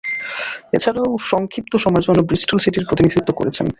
এছাড়াও, সংক্ষিপ্ত সময়ের জন্য ব্রিস্টল সিটির প্রতিনিধিত্ব করেছেন।